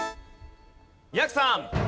やくさん。